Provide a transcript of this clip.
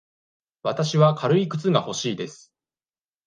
わたしは軽い靴が欲しいです。